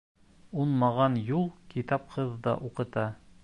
Уңмаған юл китапһыҙ ҙа уҡыта.